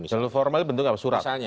jalur formal itu bentuk apa surat